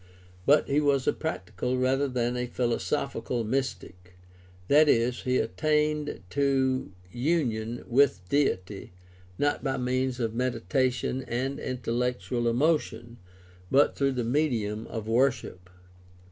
But he was a practical rather than a philosophical mystic, that is, he attained to union with Deity, not by means of meditation and intellectual emotion, but through the medium of worship.